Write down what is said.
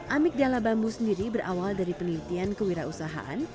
amik dala bambu sendiri berawal dari penelitian kewirausahaan